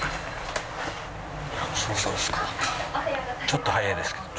ちょっと早いですけど。